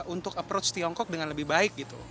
untuk approach tiongkok dengan lebih baik gitu